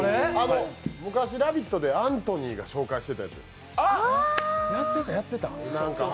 昔、「ラヴィット！」でアントニーが紹介してたやつです。